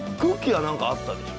は何かあったでしょ？